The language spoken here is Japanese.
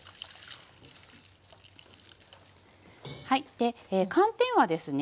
で寒天はですね